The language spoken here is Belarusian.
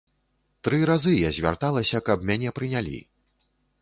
Тры разы я звярталася, каб мяне прынялі.